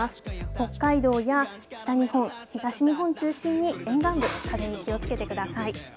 北海道や北日本、東日本を中心に、沿岸部、風に気をつけてください。